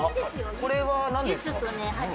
これは何ですか？